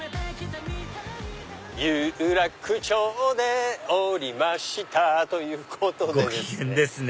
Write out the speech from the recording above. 有楽町で降りましたということでですね。